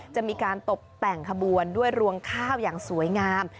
จะมีการตกแต่งขบวนด้วยรวงข้าวอย่างสวยงาม